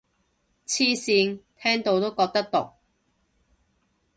黐線，聽到都覺得毒